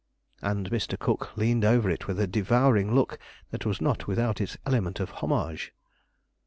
And Mr. Cook leaned over it with a devouring look that was not without its element of homage.